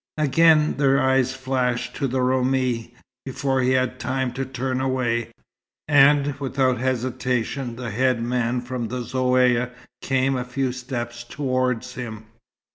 Again, their eyes flashed to the Roumi, before he had time to turn away, and without hesitation the head man from the Zaouïa came a few steps towards him.